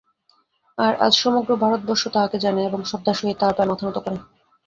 আর আজ সমগ্র ভারতবর্ষ তাঁহাকে জানে এবং শ্রদ্ধার সহিত তাঁহার পায়ে মাথা নত করে।